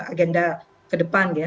agenda ke depan ya